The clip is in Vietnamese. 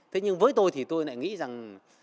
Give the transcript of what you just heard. thế nhưng với tôi thì tôi lại nghĩ rằng